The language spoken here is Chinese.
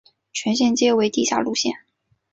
全线皆为地下路线。